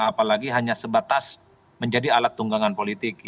apalagi hanya sebatas menjadi alat tunggangan politik